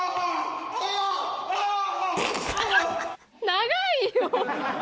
長いよ。